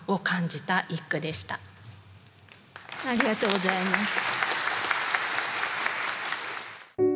ありがとうございます。